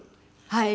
はい。